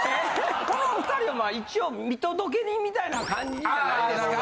この２人はまあ一応見届け人みたいな感じじゃないですか。